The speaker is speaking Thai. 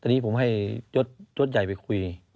อันนี้ผมให้ชดใหญ่ไปคุย